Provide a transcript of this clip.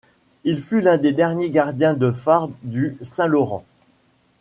Il fut l'un des derniers gardiens de phares du Saint-Laurent.